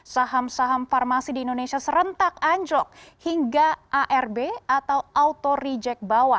saham saham farmasi di indonesia serentak anjlok hingga arb atau auto reject bawa